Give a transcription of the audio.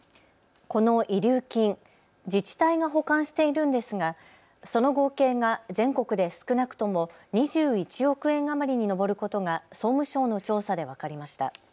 この遺留金、自治体が保管しているんですがその合計が全国で少なくとも２１億円余りに上ることが総務省の調査で分かりました。